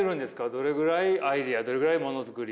どれくらいアイデアどれくらいもの作り。